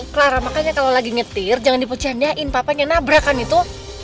clara makanya kalau lagi nyetir jangan dipenjandain papa ngenabrakan itu